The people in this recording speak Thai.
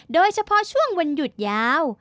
โดยเฉพาะช่วงวันหยุดยาว